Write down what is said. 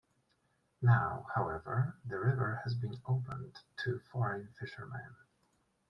Now, however, the river has been opened to foreign fishermen.